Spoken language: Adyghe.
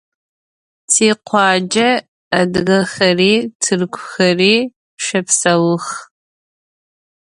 Tikhuace adıgexeri, tırkuxeri şepseux.